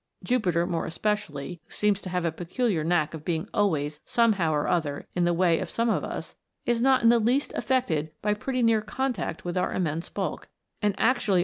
Jupiter more especially, who seems to have a peculiar knack of being always, somehow or other, in the way of some of us, is not in the least affected by pretty near contact with our immense bulk, and actually A TALE OF A COMET.